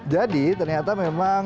jadi ternyata memang